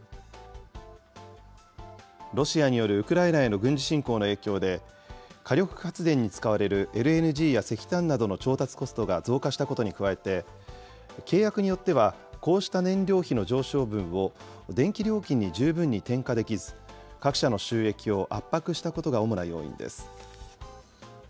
ロシアによるウクライナへの軍事侵攻の影響で、火力発電に使われるＬＮＧや石炭などの調達コストが増加したことに加えて、契約によっては、こうした燃料費の上昇分を電気料金に十分に転嫁できず、各社の収益を圧迫したことが主な要因です。